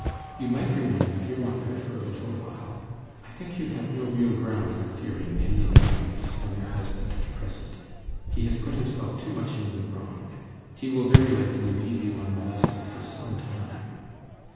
You might remain with your mother for a little while; I think you have no real ground for fearing any annoyance from your husband at present; he has put himself too much in the wrong; he will very likely leave you unmolested for some time.